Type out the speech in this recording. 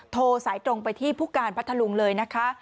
โทรสายตรงไปที่ผู้การพัทธลุงเลยนะคะ